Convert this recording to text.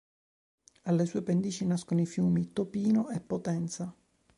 Alle sue pendici nascono i fiumi Topino e Potenza.